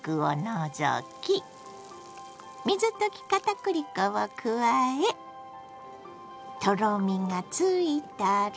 水溶き片栗粉を加えとろみがついたら。